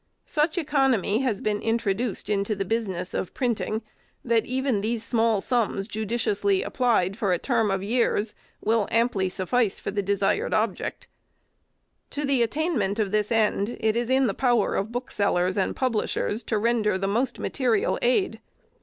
Such economy has been introduced into the business of printing, that even these small sums judiciously applied for a term of years will OF THE BOARD OP EDUCATION. 379 amply suffice for the desired object. To the attainment of this end, it is in the power of booksellers and publish ers to render the most material aid.